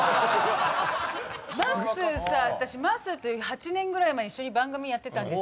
私まっすーと８年ぐらい前一緒に番組やってたんですよ。